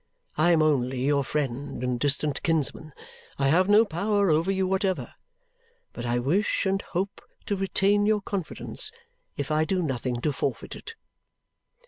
I am only your friend and distant kinsman. I have no power over you whatever. But I wish and hope to retain your confidence if I do nothing to forfeit it."